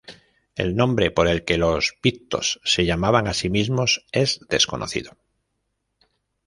El nombre por el que los pictos se llamaban a sí mismos es desconocido.